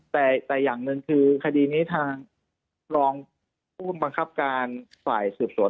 แต่อย่างหนึ่งคือคดีนี้ทางรองผู้บังคับการฝ่ายสืบสวน